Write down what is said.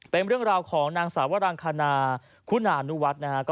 เป็นเรื่องราวของนางสาวรังคณาคุณานุวัฒน์นะครับ